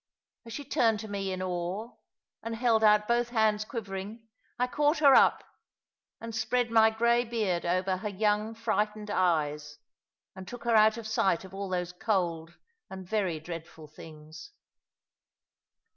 As she turned to me in awe, and held out both hands quivering, I caught her up, and spread my grey beard over her young frightened eyes, and took her out of sight of all those cold and very dreadful things.